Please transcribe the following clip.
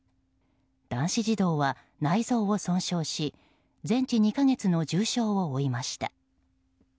男子児童は内臓を損傷し全治２か月の重傷を負いました。